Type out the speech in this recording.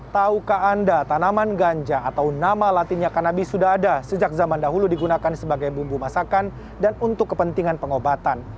taukah anda tanaman ganja atau nama latinnya kanabi sudah ada sejak zaman dahulu digunakan sebagai bumbu masakan dan untuk kepentingan pengobatan